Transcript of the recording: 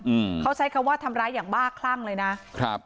อืมเขาใช้คำว่าทำร้ายอย่างบ้าคลั่งเลยนะครับ